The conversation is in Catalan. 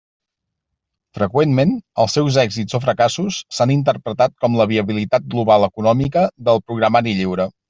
Freqüentment, els seus èxits o fracassos s'han interpretat com la viabilitat global econòmica del programari lliure.